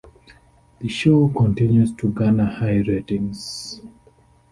The show continues to garner high ratings.